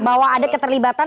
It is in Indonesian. bahwa ada keterlibatan